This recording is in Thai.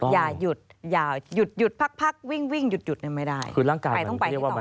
อย่าหยุดอย่าหยุดหยุดพักวิ่งหยุดไม่ได้